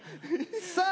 さあ